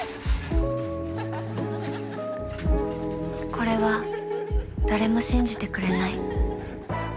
これは誰も信じてくれない。